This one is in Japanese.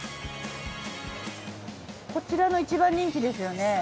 こちらの一番人気ですよね？